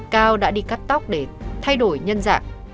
cao đã đi cắt tóc để thay đổi nhân dạng